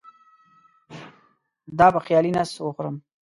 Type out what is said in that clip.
دا په خالي نس وخورم؟